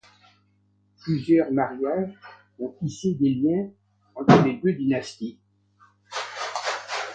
Plusieurs mariages ont tissé des liens entre les deux dynasties.